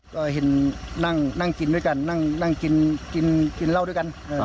ก็เห็นนั่งกินด้วยกันนั่งกินกินเหล้าด้วยกัน